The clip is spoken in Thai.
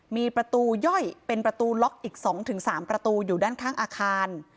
มีประตูย่อยเป็นประตูล็อกอีก๒๓ประตูอยู่ด้านข้างอาคาร